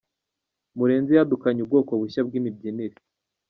murenzi yadukanye ubwoko bushya bw’imibyinire